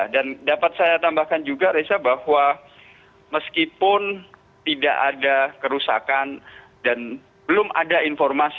dan dapat saya tambahkan juga reza bahwa meskipun tidak ada kerusakan dan belum ada informasi